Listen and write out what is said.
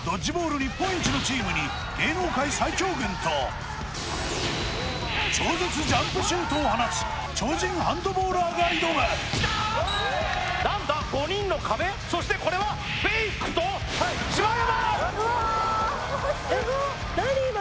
日本一のチームに芸能界最強軍と超絶ジャンプシュートを放つ超人ハンドボーラーが挑むそしてこれは部井久と柴山！